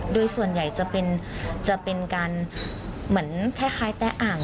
ด้วยส่วนใหญ่จะเป็นการคล้ายแต่อ่าง